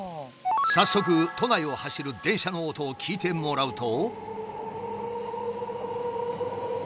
早速都内を走る電車の音を聞いてもらうと。